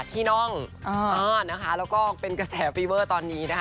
พี่น้องนะคะแล้วก็เป็นกระแสฟีเวอร์ตอนนี้นะคะ